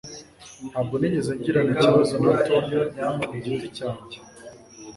Ntabwo nigeze ngirana ikibazo na Tom ku giti cyanjye.